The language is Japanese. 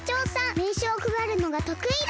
めいしをくばるのがとくいだ。